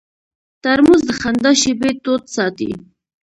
ترموز د خندا شېبې تود ساتي.